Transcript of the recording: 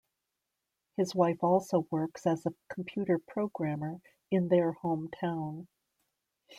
His wife also works as a computer programmer in their home town.